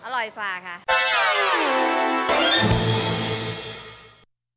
อร่อยฟ้าค่ะ